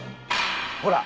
ほら。